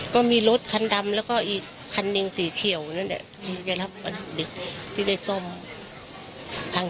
ก็มีรถคันดำแล้วก็อีกคันหนึ่งสีเขียวนั่นเนี่ยที่ได้ส้มพัง